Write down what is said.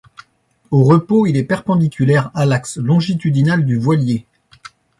Au repos il est perpendiculaire à l'axe longitudinal du voilier.